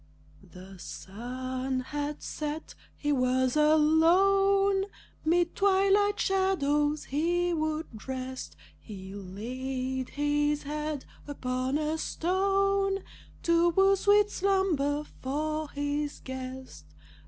The sun had set. He was alone; Mid twilight shadows he would rest. He laid his head upon a stone To woo sweet slumber for his guest.